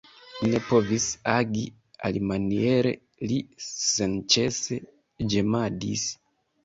Mi ne povis agi alimaniere, li senĉese ĝemadis.